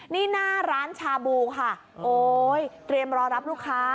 นี่หน้าร้านชาบูค่ะโอ๊ยเตรียมรอรับลูกค้า